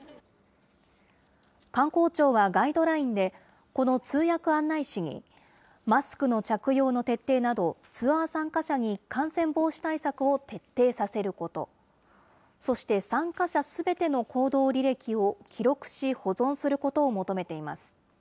観光庁はガイドラインで、この通訳案内士に、マスクの着用の徹底など、ツアー参加者に感染防止対策を徹底させること、そして参加者すべての行動履歴を記録し保存することを求めています。